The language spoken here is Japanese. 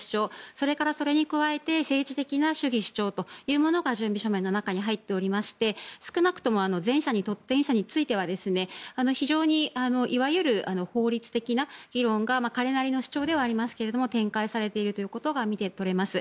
それからそれに加えて政治的な主義主張というものが準備書面の中に入っておりまして少なくとも前者については非常に、いわゆる法律的な議論が彼なりの主張ではありますが展開されていることが見て取れます。